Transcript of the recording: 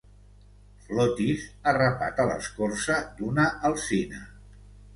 Flotis arrapat a l'escorça d'una alzina.